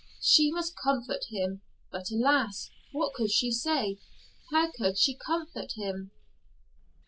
She must comfort him but alas! What could she say? How could she comfort him?